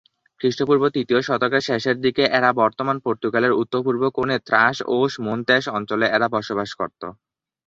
খ্রিস্টপূর্ব তৃতীয় শতকের শেষের দিকে এরা বর্তমান পর্তুগালের উত্তরপূর্ব কোণে ত্রাস-ওস-মোনতেস অঞ্চলে এরা বসবাস করত।